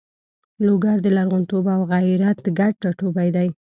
لوګر د لرغونتوب او غیرت ګډ ټاټوبی ده.